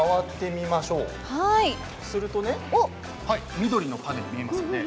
すると緑のパネルが見えますね。